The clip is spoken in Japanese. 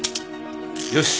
よし。